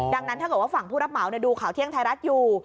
ดังนั้นถ้าเกิดว่าฝั่งผู้รับเหมาดูข่าวเที่ยงไทยรัฐอยู่